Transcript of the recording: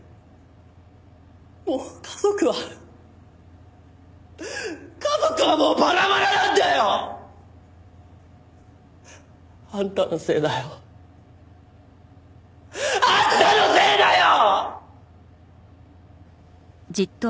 もう家族は家族はもうバラバラなんだよ！あんたのせいだよ。あんたのせいだよ！